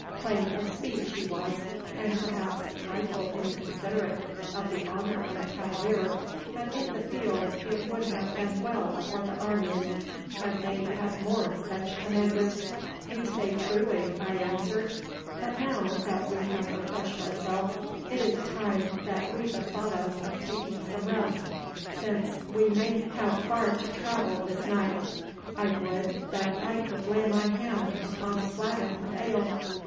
Plain of speech he was, and perhaps a trifle inconsiderate of the honour of a cavalier, but in the field it would have been well for the army had they had more such commanders.' 'You say truly,' I answered; 'but now that we have refreshed ourselves it is time that we bethought us of taking some rest, since we may have far to travel this night. I would that I could lay my hand upon a flagon of ale.